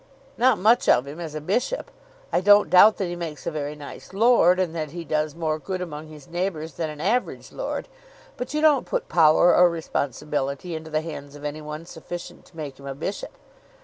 "Not much of him as a bishop. I don't doubt that he makes a very nice lord, and that he does more good among his neighbours than an average lord. But you don't put power or responsibility into the hands of any one sufficient to make him a bishop."